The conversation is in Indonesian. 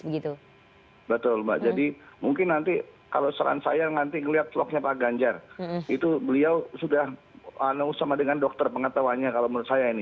betul mbak jadi mungkin nanti kalau saran saya nanti ngelihat vlognya pak ganjar itu beliau sudah sama dengan dokter pengetahuannya kalau menurut saya ini